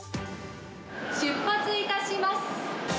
出発いたします。